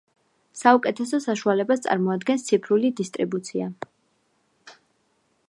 საუკეთესო საშუალებას წარმოადგენს ციფრული დისტრიბუცია.